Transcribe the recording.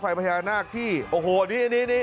ไฟพยานาคที่โอ้โหนี่นี่นี่